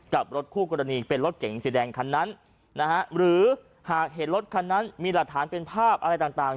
กับรถคู่กรณีเป็นรถเก๋งสีแดงคันนั้นนะฮะหรือหากเห็นรถคันนั้นมีหลักฐานเป็นภาพอะไรต่าง